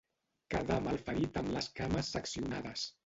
Quedà malferit amb les cames seccionades.